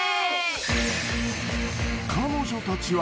彼女たちは。